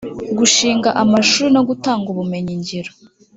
gushinga amashuri no gutanga ubumenyi ngiro